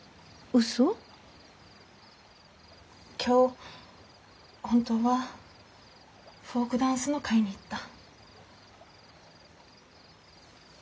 今日本当はフォークダンスの会に行った。